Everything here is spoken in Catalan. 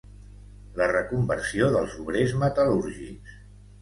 La reconversió dels obrers metal·lúrgics.